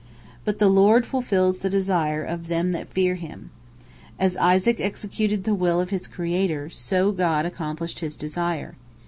But "the Lord fulfils the desire of them that fear Him." As Isaac executed the will of his Creator, so God accomplished his desire.